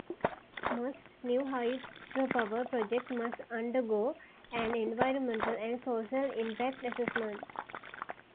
Most new hydropower project must undergo an Environmental and Social Impact Assessment.